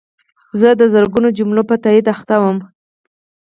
زه د زرګونو جملو په تایید اخته وم.